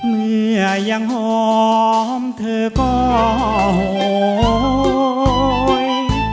เมื่อยังหอมเธอก็โหย